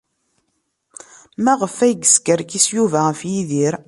Maɣef ay yeskerkis Yuba ɣef Yidir?